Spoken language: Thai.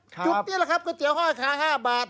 จุดนี้แหละครับก๋วเตี๋ห้อยขา๕บาท